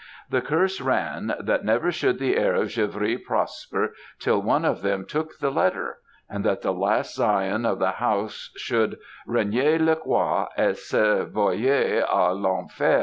"The curse ran, that never should the heir of Givry prosper till one of them took the letter; and that the last scion of the house should Renier le croix et se vouer à l'Enfer.